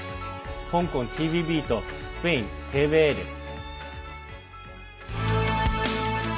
香港ＴＶＢとスペインＴＶＥです。